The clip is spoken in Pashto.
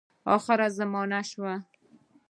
آخره زمانه سوه .